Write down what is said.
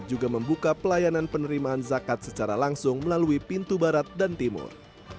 juga membuka pelayanan penerimaan zakat secara langsung melalui pintu barat dan timur